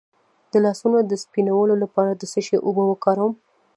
د لاسونو د سپینولو لپاره د څه شي اوبه وکاروم؟